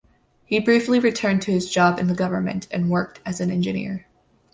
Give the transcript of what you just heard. He briefly returned to his job in the government and worked as an engineer.